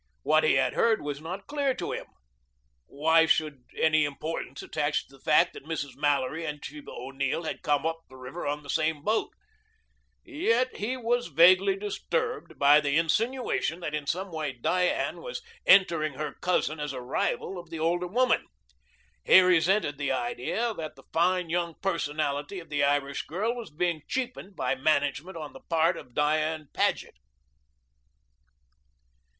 What he had heard was not clear to him. Why should any importance attach to the fact that Mrs. Mallory and Sheba O'Neill had come up the river on the same boat? Yet he was vaguely disturbed by the insinuation that in some way Diane was entering her cousin as a rival of the older woman. He resented the idea that the fine, young personality of the Irish girl was being cheapened by management on the part of Diane Paget.